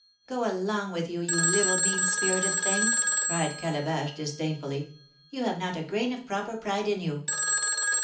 "Go along with you, you little mean spirited thing!" cried Calabash, disdainfully; "you have not a grain of proper pride in you."